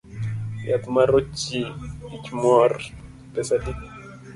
Yath mar ichmwor pesa adi?